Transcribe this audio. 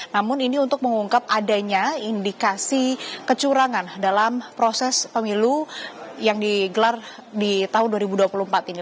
namun ini untuk mengungkap adanya indikasi kecurangan dalam proses pemilu yang digelar di tahun dua ribu dua puluh empat ini